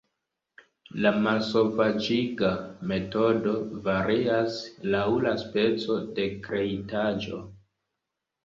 La malsovaĝiga metodo varias laŭ la speco de kreitaĵo.